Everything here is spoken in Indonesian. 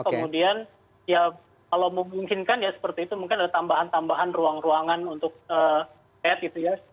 kemudian ya kalau memungkinkan ya seperti itu mungkin ada tambahan tambahan ruang ruangan untuk ad gitu ya